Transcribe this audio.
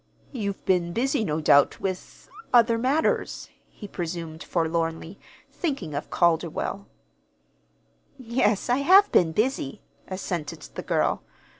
"You've been busy, no doubt, with other matters," he presumed forlornly, thinking of Calderwell. "Yes, I have been busy," assented the girl.